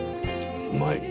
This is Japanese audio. うまい。